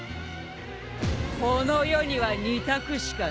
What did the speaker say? この世には２択しかねえ。